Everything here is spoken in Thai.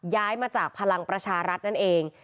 ย้ายมาจากพลังประชารัฐนั่นเอง